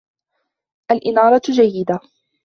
الإنارة جيّدة.